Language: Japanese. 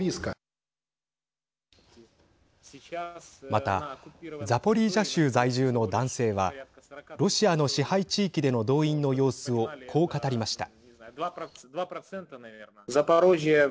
またザポリージャ州在住の男性はロシアの支配地域での動員の様子をこう語りました。